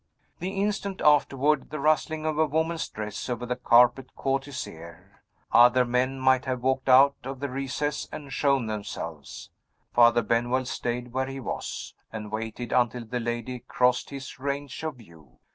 The instant afterward the rustling of a woman's dress over the carpet caught his ear. Other men might have walked out of the recess and shown themselves. Father Benwell stayed where he was, and waited until the lady crossed his range of view.